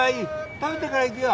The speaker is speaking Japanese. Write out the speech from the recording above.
食べてから行くよ。